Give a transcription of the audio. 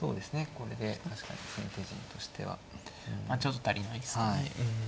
これで確かに先手陣としては。まあちょっと足りないですかね。